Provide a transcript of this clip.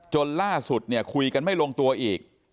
จนล่าสุดเนี่ยคุยกันไม่ลงตัวอีก